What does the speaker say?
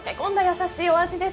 優しいお味です。